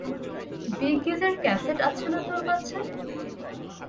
B গিজের cassette আছে না তোর কাছে?